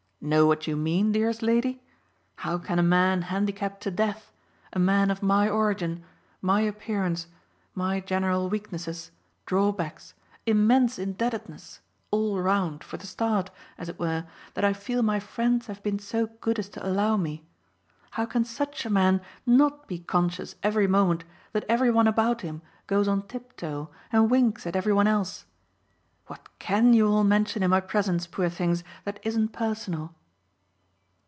"Know what you mean, dearest lady? How can a man handicapped to death, a man of my origin, my appearance, my general weaknesses, drawbacks, immense indebtedness, all round, for the start, as it were, that I feel my friends have been so good as to allow me: how can such a man not be conscious every moment that every one about him goes on tiptoe and winks at every one else? What CAN you all mention in my presence, poor things, that isn't personal?"